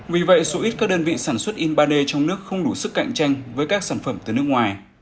vì vậy số ít các đơn vị sản xuất in ba d trong nước không đủ sức cạnh tranh với các sản phẩm từ nước ngoài